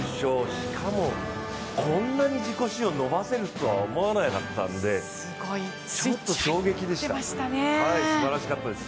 しかも、こんなに自己新を伸ばせるとは思わなかったんで、ちょっと衝撃でした、すばらしかったです。